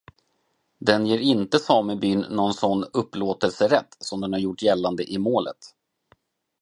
Den ger inte samebyn någon sådan upplåtelserätt som den har gjort gällande i målet.